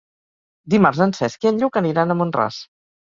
Dimarts en Cesc i en Lluc aniran a Mont-ras.